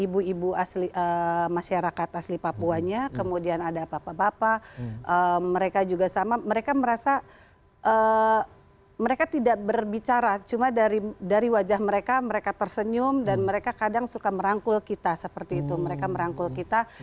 ibu ibu asli masyarakat asli papuanya kemudian ada bapak bapak mereka juga sama mereka merasa mereka tidak berbicara cuma dari wajah mereka mereka tersenyum dan mereka kadang suka merangkul kita seperti itu mereka merangkul kita